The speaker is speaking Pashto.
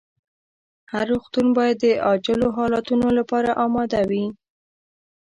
هر روغتون باید د عاجلو حالتونو لپاره اماده وي.